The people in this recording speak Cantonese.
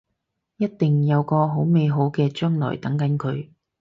一定有個好美好嘅將來等緊佢